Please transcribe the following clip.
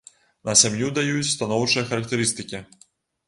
На сям'ю даюць станоўчыя характарыстыкі.